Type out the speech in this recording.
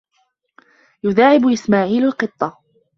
يُدَاعَبُ إِسْمَاعِيلُ الْقِطَّ.